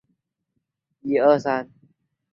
后世为之机抒胜复以便其用。